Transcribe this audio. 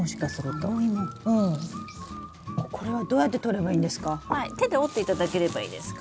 これはどうやってとればいいんですか？